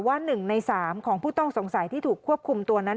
ว่า๑ใน๓ของผู้ต้องสงสัยที่ถูกควบคุมตัวนั้น